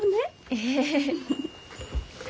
ええ。